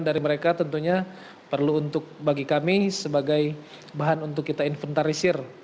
dari mereka tentunya perlu untuk bagi kami sebagai bahan untuk kita inventarisir